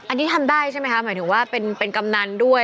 อันนี้ทำได้ใช่ไหมคะหมายถึงว่าเป็นกำนันด้วย